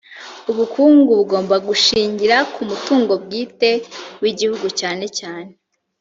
ubukungu bugomba gushingira ku mutungo bwite w igihugu cyane cyane